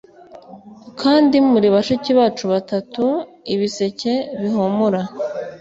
kandi muri bashiki bacu batatu, ibiseke bihumura